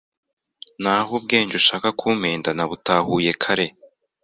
naho ubwenge ushaka kumpenda nabutahuye kare